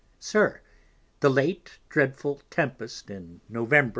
_ SIR, The late dreadful Tempest in _Novemb.